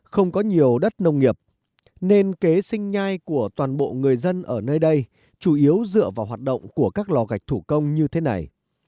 không có nhiều đất nông nghiệp nên kế sinh nhai của toàn bộ người dân ở nơi đây chủ yếu dựa vào hoạt động của các lò gạch thủ công như thế này